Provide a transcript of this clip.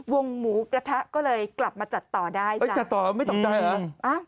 วงหมูกระทะก็เลยกลับมาจัดต่อได้เอ้ยจัดต่อไม่ตกใจเหรอ